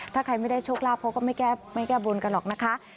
ถ้าใครไม่ได้โชคลาภเขาก็ไม่แก้บนกันหรอกนะคะ